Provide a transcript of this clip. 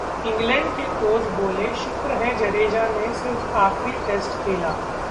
England के coach बोले- शुक्र है जडेजा ने सिर्फ आखिरी टेस्ट खेला